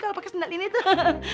kalo pake sendal ini tuh